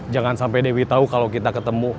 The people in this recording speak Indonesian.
jangan sampai dewi tahu kalau kita ketemu